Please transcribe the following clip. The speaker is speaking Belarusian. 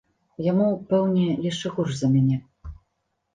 Яму, пэўне, яшчэ горш за мяне.